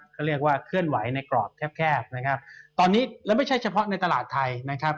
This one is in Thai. เขาเรียกว่าเคลื่อนไหวในกรอบแคบแคบนะครับตอนนี้แล้วไม่ใช่เฉพาะในตลาดไทยนะครับ